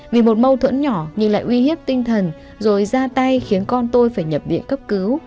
vì một mâu thuẫn nhỏ nhưng lại uy hiếp tinh thần rồi ra tay khiến con tôi phải nhập viện cấp cứu